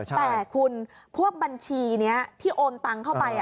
แต่คุณพวกบัญชีนี้ที่โอนตังเข้าไป